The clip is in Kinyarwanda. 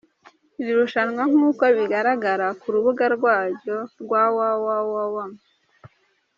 Iri rushanwa nkuko bigaragara ku rubuga rwaryo rwa www.